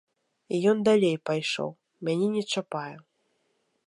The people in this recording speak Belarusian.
І ён далей пайшоў, мяне не чапае.